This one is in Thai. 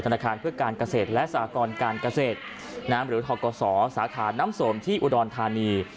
ธนาคารเพื่อการเกษตรและสากรการเกษตรหรือทกศสาขาน้ำสมที่อุดรธานี